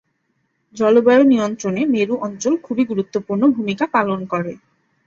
জলবায়ু নিয়ন্ত্রণে মেরু অঞ্চল খুবই গুরুত্বপূর্ণ ভূমিকা পালন করে।